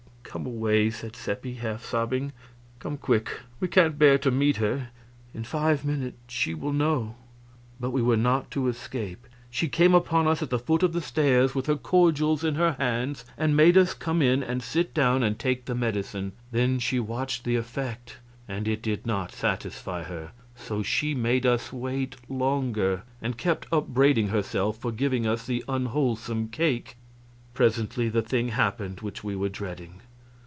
"Come away," said Seppi, half sobbing, "come quick we can't bear to meet her; in five minutes she will know." But we were not to escape. She came upon us at the foot of the stairs, with her cordials in her hands, and made us come in and sit down and take the medicine. Then she watched the effect, and it did not satisfy her; so she made us wait longer, and kept upbraiding herself for giving us the unwholesome cake. Presently the thing happened which we were dreading.